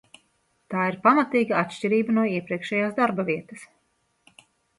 Tā ir pamatīga atšķirība no iepriekšējās darba vietas.